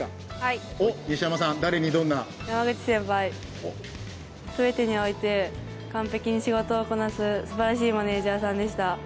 山口先輩、すべてにおいて完璧に仕事をこなすすばらしいマネージャーさんでした。